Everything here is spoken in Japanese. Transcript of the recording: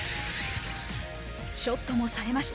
ショットもさえました。